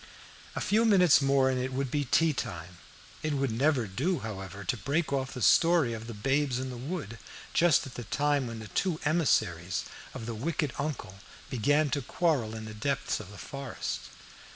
A few minutes more and it would be tea time. It would never do, however, to break off the story of the Babes in the Wood just at the time when the two emissaries of the wicked uncle began to quarrel in the depths of the forest.